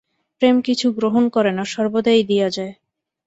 প্রেম কিছু গ্রহণ করে না সর্বদাই দিয়া যায়।